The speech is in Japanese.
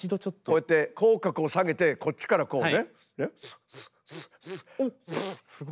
こうやって口角を下げてこっちからこうね。